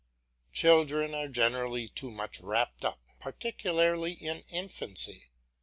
Children are generally too much wrapped up, particularly in infancy.